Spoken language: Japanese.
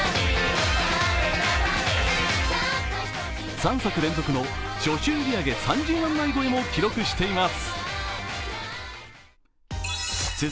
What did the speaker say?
３作連続の初週売り上げ３０万枚超えも記録しています。